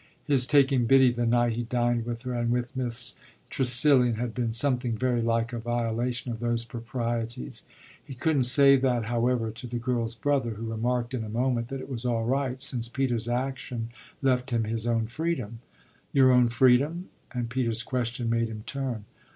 His taking Biddy the night he dined with her and with Miss Tressilian had been something very like a violation of those proprieties. He couldn't say that, however, to the girl's brother, who remarked in a moment that it was all right, since Peter's action left him his own freedom. "Your own freedom?" and Peter's question made him turn.